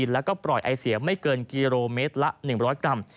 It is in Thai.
แล้วก็ปล่อยไอเสียไม่เกินกิโลเมตรละ๑๐๐กรัม